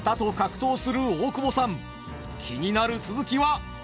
気になる続きは次週！